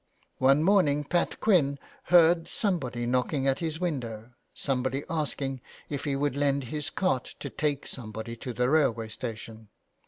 One morning Pat Quinn heard somebody knocking at his window, somebody asking if he would lend his cart to take somebody to the railway station.